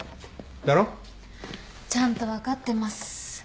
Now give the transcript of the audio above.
だろ？ちゃんと分かってます。